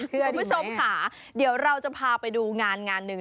คุณผู้ชมค่ะเดี๋ยวเราจะพาไปดูงานงานหนึ่ง